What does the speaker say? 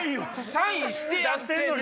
サインしてやってんのに。